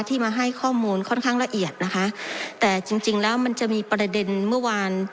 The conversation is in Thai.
ที่มาให้ข้อมูลค่อนข้างละเอียดนะคะแต่จริงจริงแล้วมันจะมีประเด็นเมื่อวาน